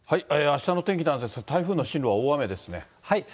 あしたの天気なんですが、台風の進路は大雨ですね。